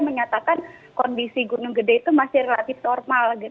menyatakan kondisi gunung gede itu masih relatif normal